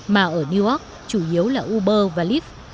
mà ở new york chủ yếu là uber và lib